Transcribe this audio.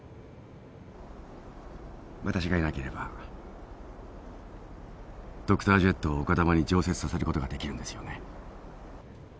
私がいなければドクタージェットを丘珠に常設させることができるんですよね。